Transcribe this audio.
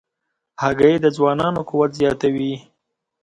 هګۍ د ځوانانو قوت زیاتوي.